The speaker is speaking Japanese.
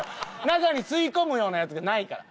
中に吸い込むようなやつがないから。